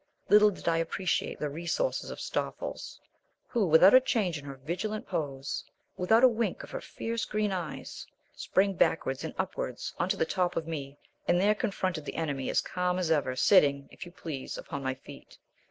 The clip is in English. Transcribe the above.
Little did I appreciate the resources of Stoffles, who without a change in her vigilant pose, without a wink of her fierce green eyes, sprang backwards and upwards on to the top of me and there confronted the enemy as calm as ever, sitting, if you please, upon my feet!